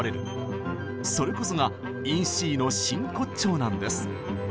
それこそが「ＩｎＣ」の真骨頂なんです。